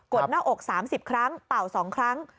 ดหน้าอก๓๐ครั้งเป่า๒ครั้ง